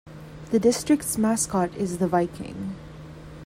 The district's mascot is the Viking.